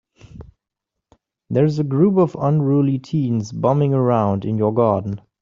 There's a group of unruly teens bumming around in your garden.